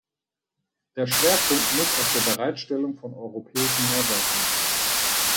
Der Schwerpunkt muss auf der Bereitstellung von europäischem Mehrwert liegen.